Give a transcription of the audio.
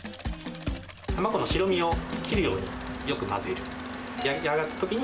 卵の白身を切るようによく混ぜること。